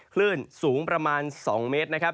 คลื่นสูงประมาณ๒เมตรนะครับ